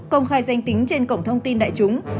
công khai danh tính trên cổng thông tin đại chúng